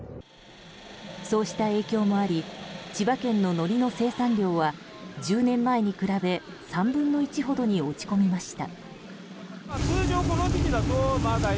そうした影響もあり、千葉県ののりの生産量は１０年前に比べ３分の１ほどに落ち込みました。